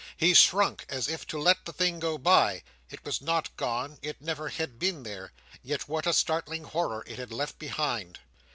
He shrunk, as if to let the thing go by. It was not gone, it never had been there, yet what a startling horror it had left behind.